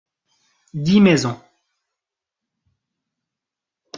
Dix maisons.